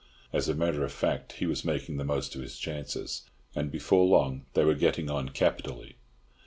As a matter of fact, he was making the most of his chances, and before long they were getting on capitally.